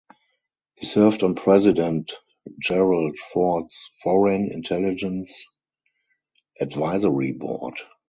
He served on President Gerald Ford's Foreign Intelligence Advisory Board.